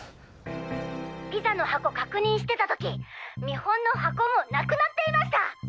ピザの箱確認してた時見本の箱もなくなっていました。